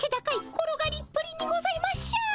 転がりっぷりにございましょう。